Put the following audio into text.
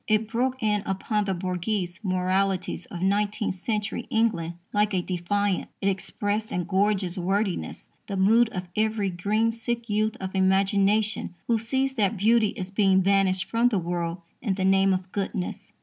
It broke in upon the bourgeois moralities of nineteenth century England like a defiance. It expressed in gorgeous wordiness the mood of every green sick youth of imagination who sees that beauty is being banished from the world in the name of goodness.